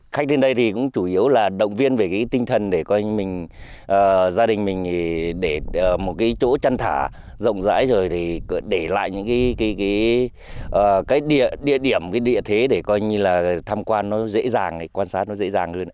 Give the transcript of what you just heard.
khách đến đây thì cũng chủ yếu là động viên về cái tinh thần để coi như mình gia đình mình để một cái chỗ chăn thả rộng rãi rồi thì để lại những cái địa điểm cái địa thế để coi như là tham quan nó dễ dàng quan sát nó dễ dàng hơn